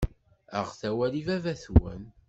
Aɣet awal i baba-twen.